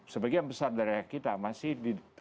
sebagian besar dari kita masih